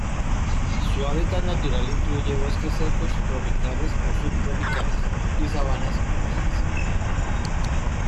Su hábitat natural incluye bosques secos tropicales o subtropicales y sabanas húmedas.